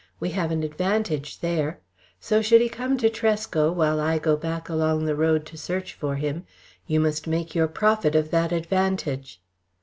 We have an advantage there. So should he come to Tresco, while I go back along the road to search for him, you must make your profit of that advantage."